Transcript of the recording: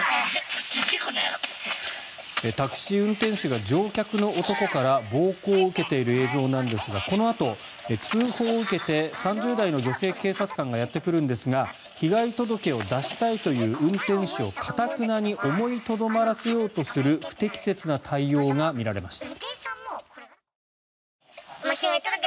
タクシー運転手が乗客の男から暴行を受けている映像なんですがこのあと、通報を受けて３０代の女性警察官がやってくるんですが被害届を出したいという運転手を頑なに思いとどまらせようとする不適切な対応が見られました。